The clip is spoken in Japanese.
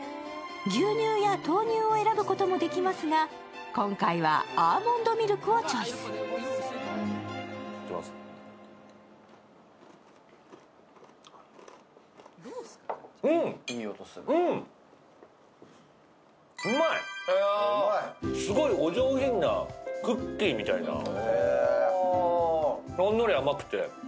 牛乳や豆乳を選ぶこともできますが、今回はアーモンドミルクをチョイス。